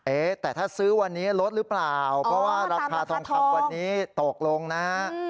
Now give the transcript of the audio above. เอ๊ะแต่ถ้าซื้อวันนี้ลดหรือเปล่าเพราะว่าราคาทองคำวันนี้ตกลงนะฮะ